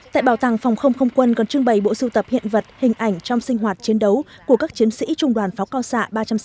tại bảo tàng phòng không không quân còn trưng bày bộ sưu tập hiện vật hình ảnh trong sinh hoạt chiến đấu của các chiến sĩ trung đoàn pháo cao xạ ba trăm sáu mươi bảy